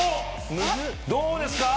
どうですか？